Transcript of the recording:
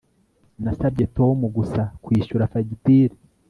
Nasabye Tom gusa kwishyura fagitire